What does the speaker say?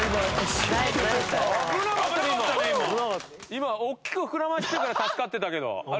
今大きく膨らませたから助かってたけど。